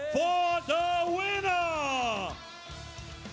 เพื่อวินาที